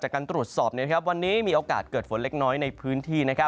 การตรวจสอบวันนี้มีโอกาสเกิดฝนเล็กน้อยในพื้นที่